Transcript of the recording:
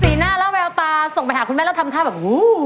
หน้าและแววตาส่งไปหาคุณแม่แล้วทำท่าแบบหู